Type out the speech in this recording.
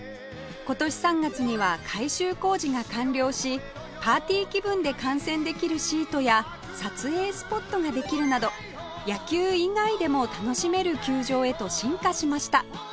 今年３月には改修工事が完了しパーティー気分で観戦できるシートや撮影スポットができるなど野球以外でも楽しめる球場へと進化しました